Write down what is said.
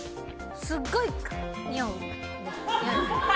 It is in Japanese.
すっごいにおう？